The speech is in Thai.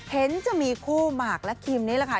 เห็นจะมีคู่หมากและคิมนี่แหละค่ะ